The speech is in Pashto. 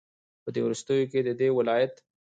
په دې وروستيو كې ددې ولايت